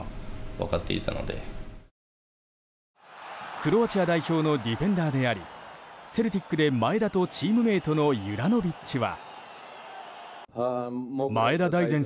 クロアチア代表のディフェンダーでありセルティックで前田とチームメートのユラノビッチは。